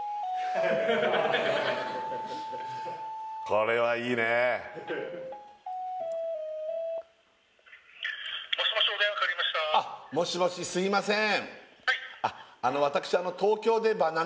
これはいいねもしもしすいません